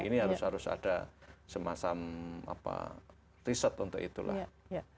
ini harus harus ada semacam riset untuk itulah